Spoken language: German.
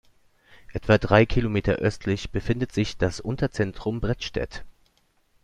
Etwa drei Kilometer östlich befindet sich das Unterzentrum Bredstedt.